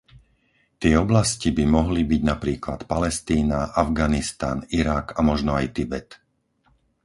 Tie oblasti by mohli byť napríklad Palestína, Afganistan, Irak a možno aj Tibet.